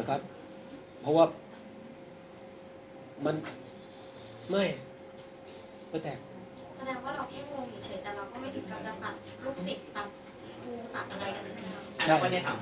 นี่ตัวบ้านวาดของคุณพ่อขว่างไม่ได้เซียครับ